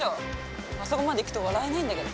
あそこまで行くと笑えないんだけど。